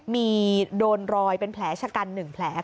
มีโดนรอยเป็นแผลชะกัน๑แผล